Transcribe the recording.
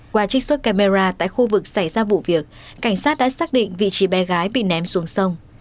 qua trích xuất camera tại khu vực xảy ra vụ việc cảnh sát đã xác định vị trí bé gái bị ném xuống sông